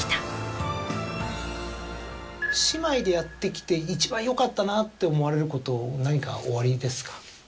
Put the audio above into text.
姉妹でやってきて一番よかったなって思われること何かおありですか？